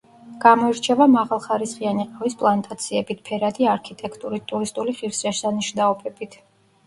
გამოირჩევა მაღალხარისხიანი ყავის პლანტაციებით, ფერადი არქიტექტურით, ტურისტული ღირსშესანიშნაობებით.